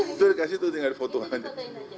itu dikasih tuh tinggal di foto aja